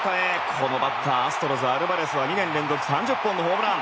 このバッターアストロズのアルバレスは２年連続３０本のホームラン。